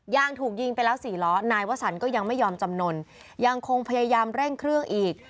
ยางถูกยิงไปแล้วสี่ล้อนายวสันก็ยังไม่ยอมจำนวนยังคงพยายามเร่งเครื่องอีก